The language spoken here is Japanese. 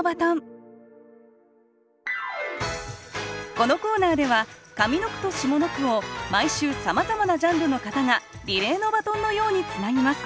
このコーナーでは上の句と下の句を毎週さまざまなジャンルの方がリレーのバトンのようにつなぎます。